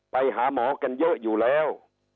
ไปหาหมอกันเยอะอยู่แล้ว